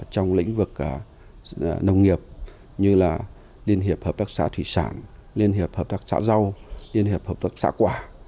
trong lĩnh vực nông nghiệp như là liên hiệp hợp tác xã thủy sản liên hiệp hợp tác xã rau liên hiệp hợp tác xã quả